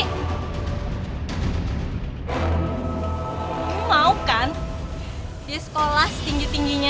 kamu mau kan dari sekolah setinggi tingginya